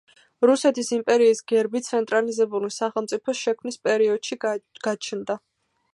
რუსეთის იმპერიის გერბი ცენტრალიზებული სახელმწიფოს შექმნის პერიოდში გაჩნდა.